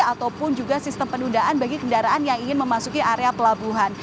ataupun juga sistem penundaan bagi kendaraan yang ingin memasuki area pelabuhan